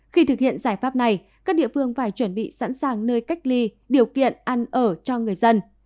khi thực hiện giải pháp này các địa phương phải chuẩn bị sẵn sàng nơi cách ly điều kiện ăn ở cho người dân